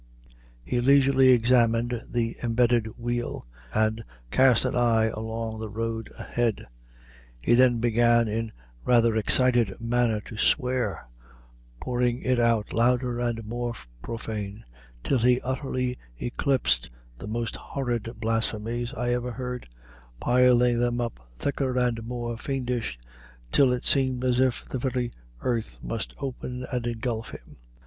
He leisurely examined the embedded wheel, and cast an eye along the road ahead. He then began in rather excited manner to swear, pouring it out louder and more profane, till he utterly eclipsed the most horrid blasphemies I ever heard, piling them up thicker and more fiendish till it seemed as if the very earth must open and engulf him.